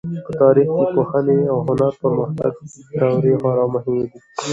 په تاریخ کې د پوهنې او هنر د پرمختګ دورې خورا مهمې دي.